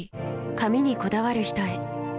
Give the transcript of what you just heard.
髪にこだわる人へ。